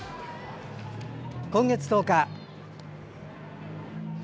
今月１０日。